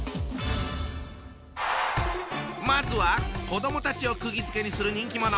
まずは子どもたちをくぎづけにする人気者。